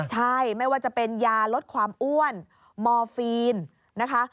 ใช่ไม่ว่าจะเป็นยาลดความอ้วนมอร์ฟีนนะคะ